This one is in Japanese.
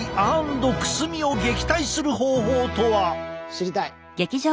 知りたい！